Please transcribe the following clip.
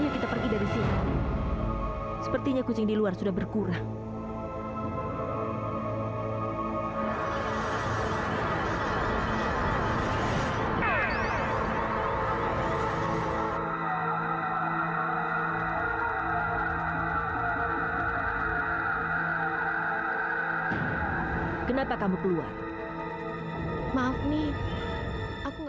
sampai jumpa di video selanjutnya